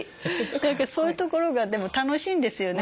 何かそういうところがでも楽しいんですよね。